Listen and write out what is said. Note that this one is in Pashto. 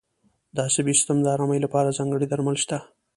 د عصبي سیستم د آرامۍ لپاره ځانګړي درمل شته.